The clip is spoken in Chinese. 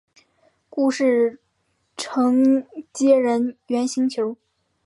故事承接人猿星球。